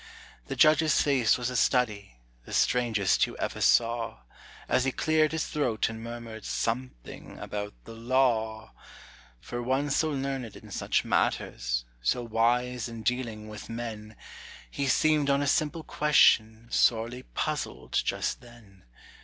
The judge's face was a study, The strangest you ever saw, As he cleared his throat and murmured Something about the law. For one so learned in such matters, So wise in dealing with men, He seemed on a simple question Sorely puzzled just then.